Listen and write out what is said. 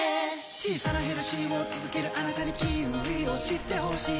小さなヘルシーを続けるあなたにキウイを知ってほしい